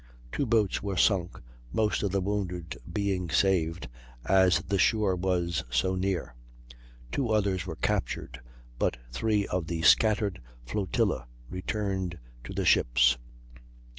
Two boats were sunk, most of the wounded being saved as the shore was so near; two others were captured, and but three of the scattered flotilla returned to the ships.